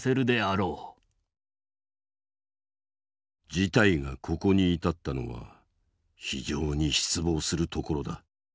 事態がここに至ったのは非常に失望するところだ。